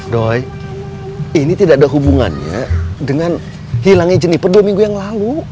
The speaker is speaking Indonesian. doy ini tidak ada hubungannya dengan hilangnya jeniper dua minggu yang lalu